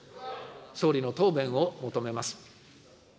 総理の答弁を求めます。